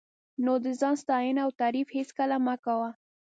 نو د ځان ستاینه او تعریف هېڅکله مه کوه.